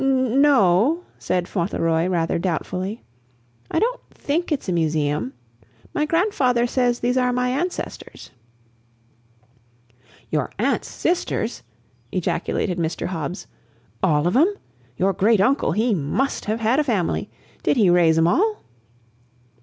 "N no !" said Fauntleroy, rather doubtfully. "I don't THINK it's a museum. My grandfather says these are my ancestors." "Your aunt's sisters!" ejaculated Mr. Hobbs. "ALL of 'em? Your great uncle, he MUST have had a family! Did he raise 'em all?"